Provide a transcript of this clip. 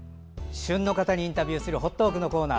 旬の方にインタビューする「ほっトーク」のコーナー。